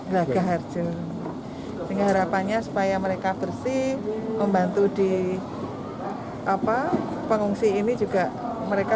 gelagah harjok dengan harapannya supaya mereka bersih membantu di apa pengungsi ini juga mereka